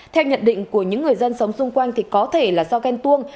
theo nhận định của những người dân sống xung quanh thì có thể là do ghen tuông